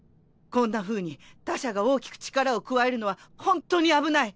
こんなふうに他者が大きく力を加えるのはほんとに危ない。